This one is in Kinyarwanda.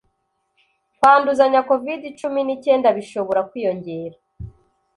kwanduzanya Covid-cumi nicyenda bishobora kwiyongera